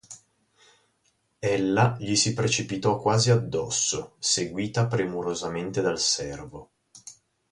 Ella gli si precipitò quasi addosso, seguita premurosamente dal servo.